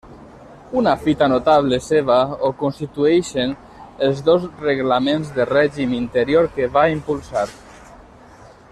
Una fita notable seva ho constitueixen els dos reglaments de règim interior que va impulsar.